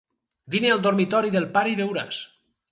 Vine al dormitori del pare i veuràs.